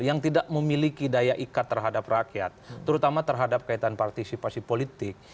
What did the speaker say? yang tidak memiliki daya ikat terhadap rakyat terutama terhadap kaitan partisipasi politik